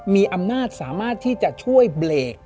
มีอำนาจสามารถที่จะช่วยเบรก